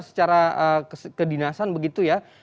secara kedinasan begitu ya